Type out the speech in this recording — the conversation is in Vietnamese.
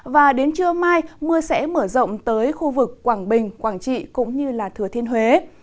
và đến trưa mai mưa sẽ mở rộng tới khu vực quảng bình quảng trị cũng như thừa thiên huế